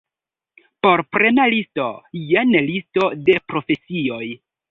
Por plena listo, jen Listo de profesioj.